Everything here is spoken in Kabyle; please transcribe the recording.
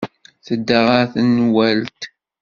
Tedda ɣer tenwalt.